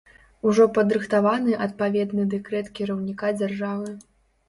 Ужо падрыхтаваны адпаведны дэкрэт кіраўніка дзяржавы.